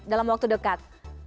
dalam waktu dekat